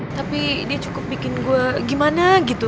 tapi dia cukup bikin gue gimana gitu